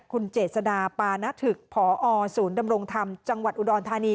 คุณเจษดาปานถึกพอศูนย์ดำรงธรรมจังหวัดอุดรธานี